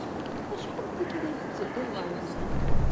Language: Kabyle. Acḥal n tikkal ay tettedduḍ ɣer din?